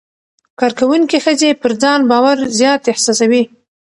کارکوونکې ښځې پر ځان باور زیات احساسوي.